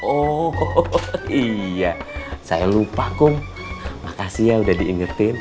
oh iya saya lupa kok makasih ya udah diingetin